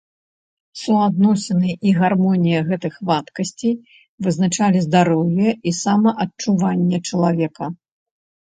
Суадносіны і гармонія гэтых вадкасцей вызначалі здароўе і самаадчуванне чалавека.